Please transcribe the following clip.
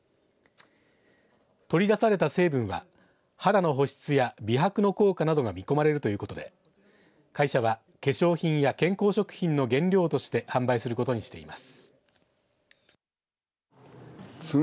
取り出された成分は肌の保湿や美白の高価などが見込まれるということで会社は化粧品や健康食品の原料として販売することにしています。